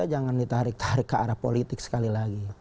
jangan ditarik tarik ke arah politik sekali lagi